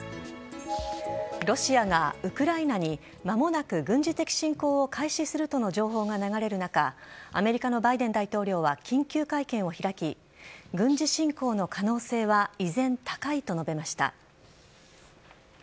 ロシアがウクライナにまもなく軍事的侵攻を開始するとの情報が流れる中、アメリカのバイデン大統領は緊急会見を開き、軍事侵攻の可能性は依然、高いと述べました。